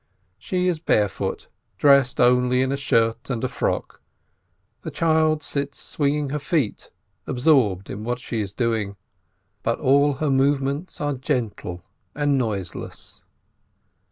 She is barefoot, dressed only in a shirt and a frock. The child sits swinging her feet, absorbed in what she is doing; but all her movements are gentle and noiseless.